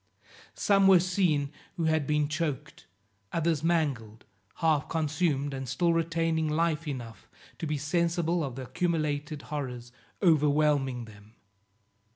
Some were seen who had been choked, others mangled, half consumed and still retaining life enough to be sensible of the accumulated horrors overwhelming them.